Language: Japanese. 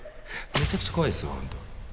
めちゃくちゃ怖いですよ本当。